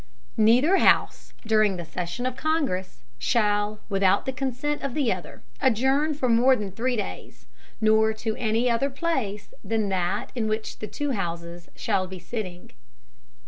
Neither House, during the Session of Congress, shall, without the Consent of the other, adjourn for more than three days, nor to any other Place than that in which the two Houses shall be sitting.